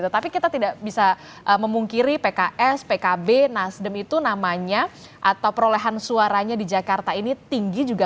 tapi kita tidak bisa memungkiri pks pkb nasdem itu namanya atau perolehan suaranya di jakarta ini tinggi juga